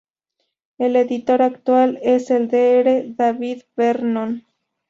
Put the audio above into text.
El editor actual es el Dr. David Vernon.